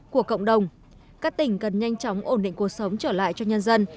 của cộng đồng các tỉnh cần nhanh chóng ổn định cuộc sống trở lại cho nhân dân